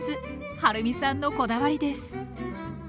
はるみさんのこだわりです。